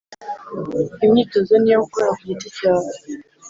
imyitozo ni iyo gukora ku giti cyawe